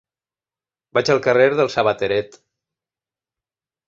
Vaig al carrer del Sabateret.